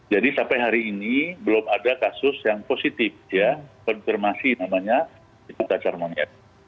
jadi sampai hari ini belum ada kasus yang positif ya konfirmasi namanya itu cacar monyet